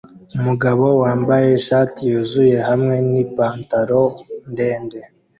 Umugabo wambaye ishati yuzuye hamwe nipantaro ndende